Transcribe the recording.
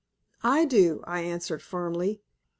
"I do!" I answered, firmly.